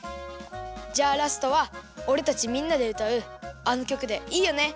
じゃあラストはおれたちみんなでうたうあのきょくでいいよね？